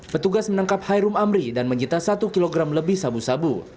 petugas menangkap hairum amri dan mencita satu kg lebih sabu sabu